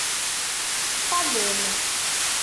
Ṭṭalem!